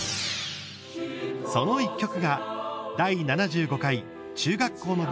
その１曲が第７５回中学校の部課題曲